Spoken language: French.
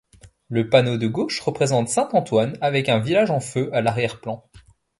Le panneau de gauche représente saint Antoine, avec un village en feu à l'arrière-plan.